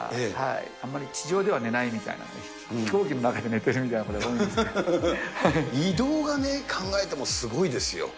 あんまり地上では寝ないみたいな、飛行機の中で寝てるみたいなとこ移動がね、考えてもすごいですよ。